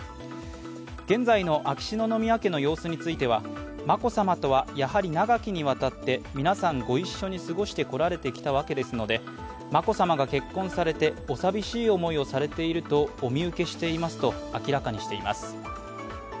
現在の秋篠宮家の様子については眞子さまとはやはり長きにわたって皆さんご一緒に過ごしてこられてきたわけですので眞子さまが結婚されてお寂しい思いをされているとお見受けしていますと明らかにししています。